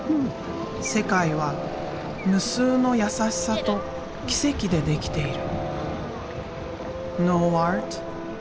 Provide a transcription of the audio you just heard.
世界は無数のやさしさと奇跡でできている。